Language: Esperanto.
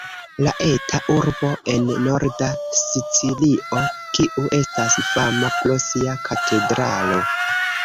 La eta urbo en norda Sicilio kiu estas fama pro sia katedralo.